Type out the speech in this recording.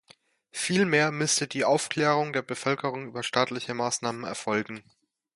Vielmehr müsste die Aufklärung der Bevölkerung über staatliche Maßnahmen erfolgen.